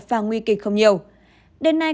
và nguy kịch không nhiều đến nay